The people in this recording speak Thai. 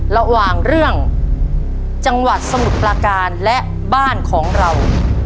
ระหว่างเรื่องจังหวัดสมุทรปลาการและบ้านของเรา